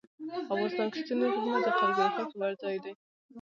افغانستان کې ستوني غرونه د خلکو د خوښې وړ ځای دی.